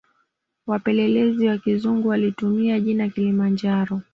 Wapelelezi Wa kizungu walitumia jina kilimanjaro